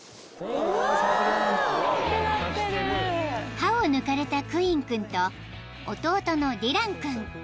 ［歯を抜かれたクイン君と弟のディラン君］